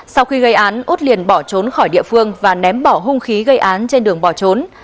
sau khi gây án út liền bỏ trốn khỏi địa phương và ném bỏ hung khí gây án trên đường bỏ trốn